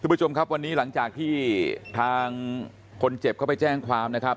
ผู้ชมครับวันนี้หลังจากที่ทางคนเจ็บเข้าไปแจ้งความนะครับ